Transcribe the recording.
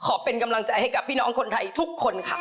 วันนี้เบสขอเป็นกำลังใจให้ทุกท่านผ่านไปด้วยกันนะครับ